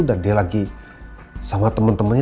dan dia lagi sama temen temennya